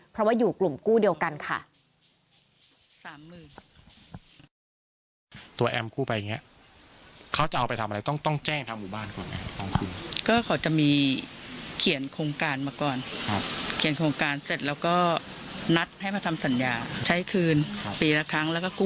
เพราะว่าอยู่กลุ่มกู้เดียวกันค่ะ